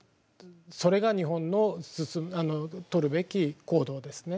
それが日本の取るべき行動ですね。